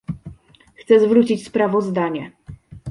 Chcę zwrócić sprawozdanie